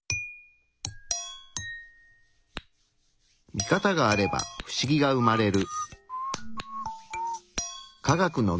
ミカタがあればフシギが生まれる。